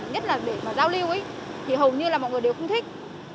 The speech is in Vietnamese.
nhất là để mà giao lưu ấy thì hầu như là mọi người đều không thích